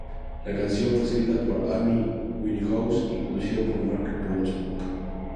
La canción fue escrita por Amy Winehouse y producida por Mark Ronson.